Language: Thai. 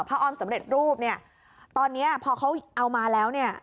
อ้อมสำเร็จรูปเนี่ยตอนเนี้ยพอเขาเอามาแล้วเนี่ย